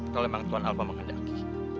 kalau memang tuan alva mengandalku